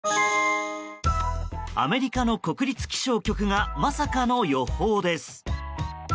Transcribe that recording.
アメリカの国立気象局がまさかの予報です。